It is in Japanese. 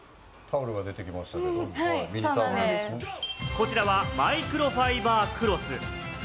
こちらはマイクロファイバークロス。